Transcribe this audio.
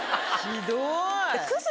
ひどい！